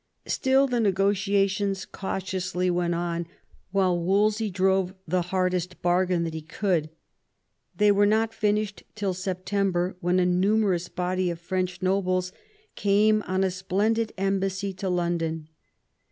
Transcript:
Still the negotiations cautiously went on while Wolsey drove the hardest bargain that he could. They were not finished till September, when a numerous body of French nobles came on a splendid embassy to London.